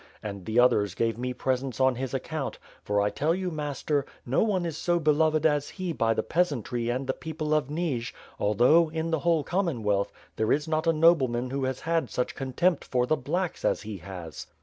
And the others also gave me presents on his account; for I tell you, master, no one is so beloved as he by the peasantry and the people of Nij, al though, in the whole Commonwealth, there is not a noble man who had such a contempt for the 'blacks' as he has.